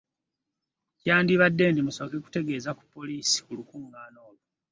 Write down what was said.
Kyandibadde nti musooka kutegeeza ku poliisi ku lukungaana olwo.